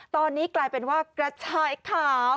ตอนนี้กลายเป็นว่ากระชายขาว